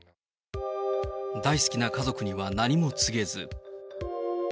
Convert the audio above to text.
大好きな家族には何も告げず。